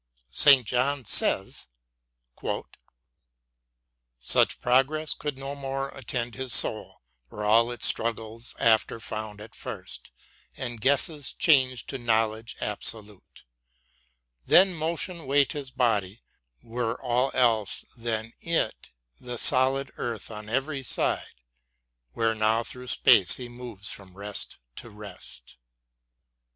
Says St. John : Such progress could no more attend his soul Were all its struggles after found at first And guesses chang'd to knowledge absolute, Than motion wait his body, were all else Than it the solid earth on every side, Where now through space he moves from rest to rest.